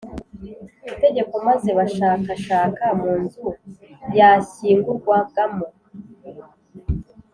Itegeko maze bashakashaka mu nzu yashyingurwagamo